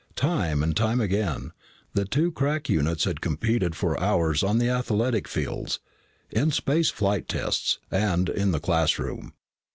Time and time again, the two crack units had competed for hours on the athletic fields, in space flight tests, and in the classroom.